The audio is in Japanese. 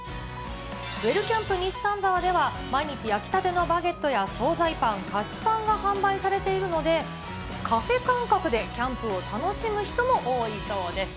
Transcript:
ウェルキャンプ西丹沢では毎日焼きたてのバゲットや総菜パン、菓子パンが販売されてるので、カフェ感覚でキャンプを楽しむ人も多いそうです。